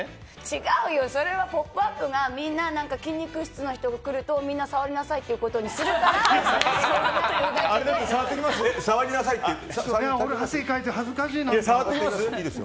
違うよ、それは「ポップＵＰ！」が筋肉質な人が来るとみんな触りなさいっていうことにあれだって触っておきます？